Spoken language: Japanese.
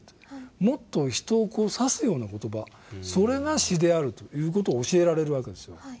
もっと人を刺すような言葉それが詩である」という事を教えられるわけですよ。